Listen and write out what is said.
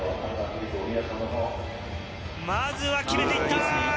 まずは決めていった！